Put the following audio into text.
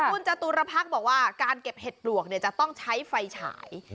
คุณจตุรพักษ์บอกว่าการเก็บเห็ดปลวกจะต้องใช้ไฟฉาย